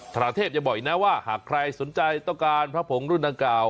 ราเทพยังบอกอีกนะว่าหากใครสนใจต้องการพระผงรุ่นนางกล่าว